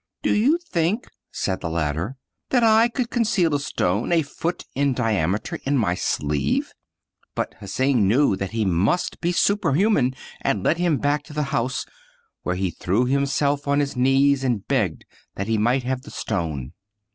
" Do you think," said the latter, " that I could conceal a stone a foot in diameter in my sleeve?" But Hsing knew that he must be superhuman, and led him back to the house, where he threw himself on his knees and begged that he might have the stone.